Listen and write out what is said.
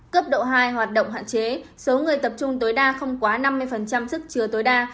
cấp độ hai hoạt động hạn chế số người tập trung tối đa không quá năm mươi sức chứa tối đa